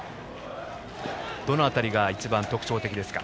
どの辺りが一番特徴的ですか？